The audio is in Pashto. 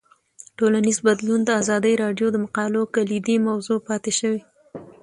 ټولنیز بدلون د ازادي راډیو د مقالو کلیدي موضوع پاتې شوی.